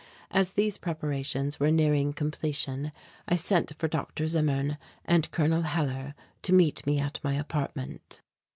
As these preparations were nearing completion I sent for Dr. Zimmern and Col. Hellar to meet me at my apartment.